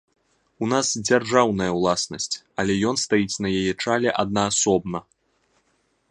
У нас дзяржаўная ўласнасць, але ён стаіць на яе чале аднаасобна.